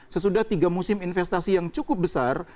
sesudah tiga musim investasi yang cukup besar